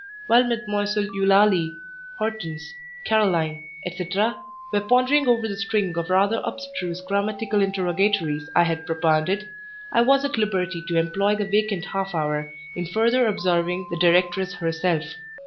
While Mdlle. Eulalie, Hortense, Caroline, &c., were pondering over the string of rather abstruse grammatical interrogatories I had propounded, I was at liberty to employ the vacant half hour in further observing the directress herself.